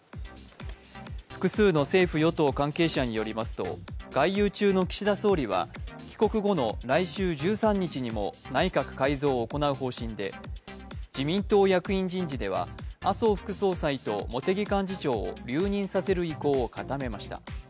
複数の政府・与党関係者によりますと、外遊中の岸田総理は帰国後の来週１３日にも内閣改造を行う方針で自民党役員人事では麻生副総裁と茂木幹事長を留任させる意向を固めました。